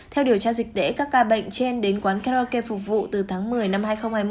theo điều tra dịch tễ các ca bệnh trên đến quán karaoke phục vụ từ tháng một mươi năm hai nghìn hai mươi